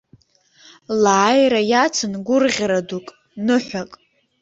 Лааира иацын гәырӷьара дук, ныҳәак.